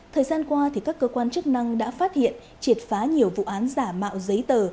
thời gian qua các cơ quan chức năng đã phát hiện triệt phá nhiều vụ án giả mạo giấy tờ